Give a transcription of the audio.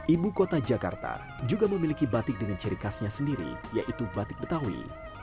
ibu kota jakarta juga memiliki batik dengan ciri khasnya sendiri yaitu batik betawi